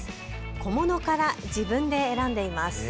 小物から自分で選んでいます。